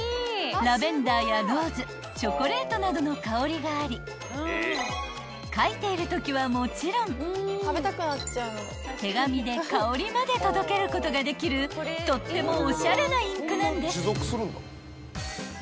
［ラベンダーやローズチョコレートなどの香りがあり書いているときはもちろん手紙で香りまで届けることができるとってもおしゃれなインクなんです］